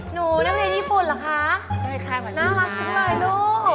หนูนั่งในนี่ฝุ่นเหรอคะน่ารักจริงเลยลูกโอ้โฮ